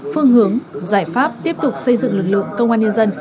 phương hướng giải pháp tiếp tục xây dựng lực lượng công an nhân dân